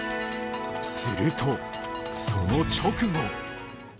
すると、その直後。